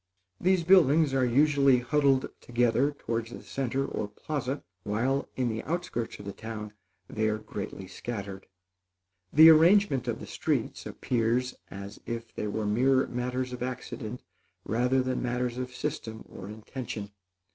These buildings are usually huddled together towards the centre or plaza, while, in the outskirts of the town, they are greatly scattered. The arrangement of the streets appears as if they were mere matters of accident rather than matters of system or intention.